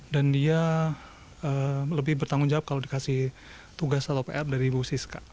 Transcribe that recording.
dia lebih bertanggung jawab kalau dikasih tugas atau pr dari ibu siska